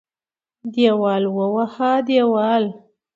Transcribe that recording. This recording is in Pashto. دېوال ووهه دېوال.